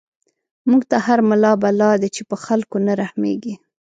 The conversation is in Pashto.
موږ ته هر ملا بلا دی، چی په خلکو نه رحميږی